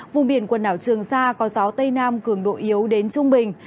vùng biển quần đảo trường sa có gió tây nam cường độ yếu đến trung bình